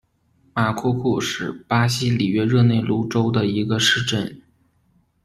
马库库是巴西里约热内卢州的一个市镇。